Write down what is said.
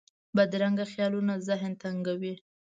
بدرنګه خیالونه ذهن تنګوي